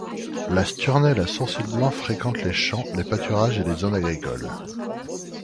La Sturnelle à sourcils blancs fréquente les champs, les pâturages et les zones agricoles.